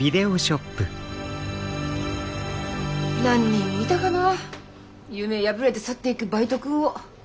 何人見たかな夢破れて去っていくバイト君を。